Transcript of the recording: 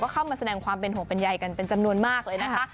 เข้ามาแสดงความเป็นห่วงเป็นใยกันเป็นจำนวนมากเลยนะคะ